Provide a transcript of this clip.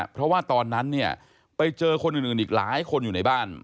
เพราะว่าตอนนั้นเนี่ยไปเจอคนอื่นอีกหลายคนอยู่ในบ้าน